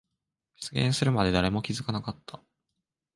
出現するまで誰も気づかなかった。